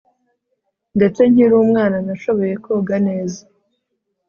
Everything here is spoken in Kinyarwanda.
Ndetse nkiri umwana nashoboye koga neza